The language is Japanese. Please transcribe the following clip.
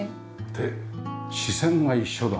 で視線が一緒だ。